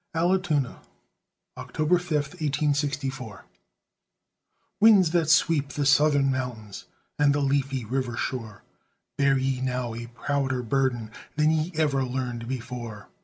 ALLATOONA [October 5, 1864] Winds that sweep the southern mountains, And the leafy river shore, Bear ye now a prouder burden Than ye ever learned before!